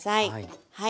はい。